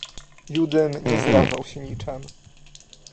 "Judym nie zrażał się niczem."